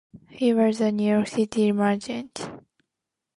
He was a New York City merchant.